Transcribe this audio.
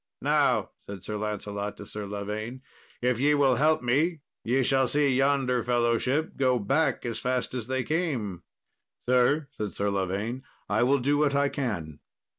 "Now," said Sir Lancelot to Sir Lavaine, "if ye will help me, ye shall see yonder fellowship go back as fast as they came." "Sir," said Sir Lavaine, "I will do what I can."